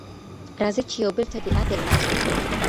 راځئ چي یو بل ته د عدل لاس ورکړو.